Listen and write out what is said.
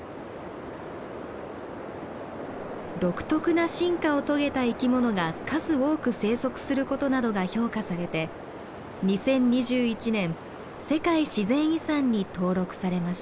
独特な進化を遂げた生きものが数多く生息することなどが評価されて２０２１年世界自然遺産に登録されました。